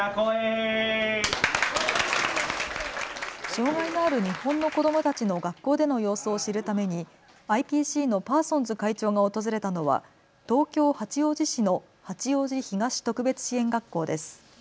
障害のある日本の子どもたちの学校での様子を知るためにＩＰＣのパーソンズ会長が訪れたのは東京八王子市の八王子東特別支援学校です。